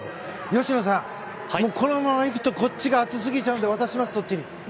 吉野さん、このままいくとこっちが熱すぎちゃうので渡します、そっちに。